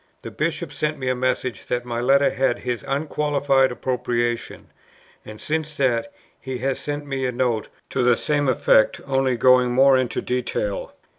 The Bishop sent me a message that my Letter had his unqualified approbation; and since that, he has sent me a note to the same effect, only going more into detail.